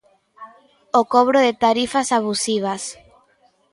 O cobro de tarifas abusivas.